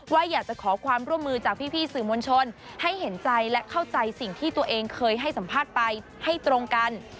ว่าอยากจะขอความร่วมมือจากพี่สื่อมวลชนให้เห็นใจและเข้าใจสิ่งที่ตัวเองเคยให้สัมภาษณ์ไปให้ตรงกัน